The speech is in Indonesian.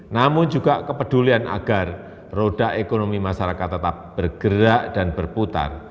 namun juga kepedulian agar roda ekonomi masyarakat tetap bergerak dan berputar